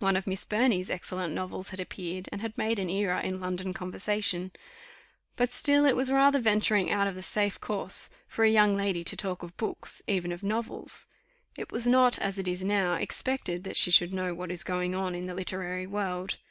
One of Miss Burney's excellent novels had appeared, and had made an era in London conversation; but still it was rather venturing out of the safe course for a young lady to talk of books, even of novels; it was not, as it is now, expected that she should know what is going on in the literary world.